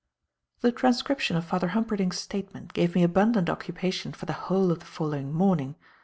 The transcription of Father Humperdinck's statement gave me abundant occupation for the whole of the following morning.